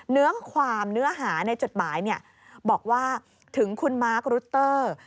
เนื้อความเนื้อหาในจดหมายบอกว่าถึงคุณมาร์ครุตเตอร์